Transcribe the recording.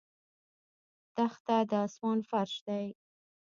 دښته د آسمان فرش دی.